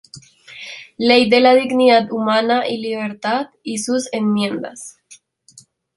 Ley de la dignidad humana y libertad y sus enmiendas